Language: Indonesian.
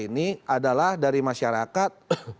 di akta ini adalah dari masyarakat